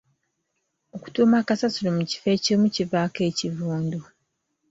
Okutuuma kasasiro mu kifo ekimu kivaako ekivundu.